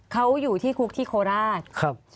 เขาอยู่ที่คุกที่โคราช